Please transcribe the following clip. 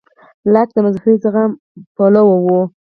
لاک د مذهبي زغم پلوی و.